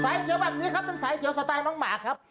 เขียวแบบนี้ครับเป็นสายเขียวสไตล์น้องหมาครับ